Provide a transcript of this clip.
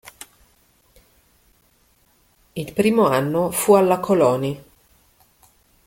Il primo anno fu alla Coloni.